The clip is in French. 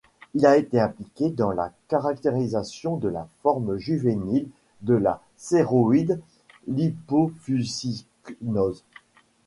Il a été impliqué dans la caractérisation de la forme juvénile de la céroïde-lipofuscinose.